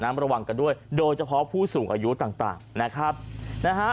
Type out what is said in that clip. ระวังกันด้วยโดยเฉพาะผู้สูงอายุต่างนะครับนะฮะ